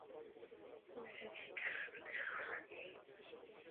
Jsou v mnoha ohledech mistři v překonávání jakýchkoliv překážek.